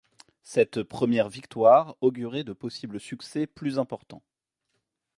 Cette première victoire augurait de possibles succès plus importants.